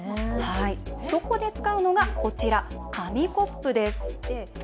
そこで使うのがこちら、紙コップです。